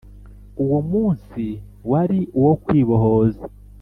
uwo munsi wari uwo kwibohoza.